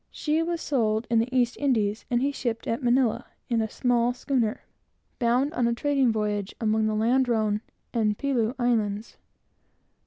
She was sold in the East Indies, and he shipped at Manilla, in a small schooner, bound on a trading voyage among the Ladrone and Pelew Islands.